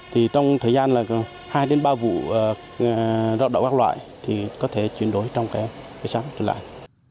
thì trong thời gian là hai đến ba vụ rạp đậu các loại thì có thể chuyển đổi trong cái sáng trở lại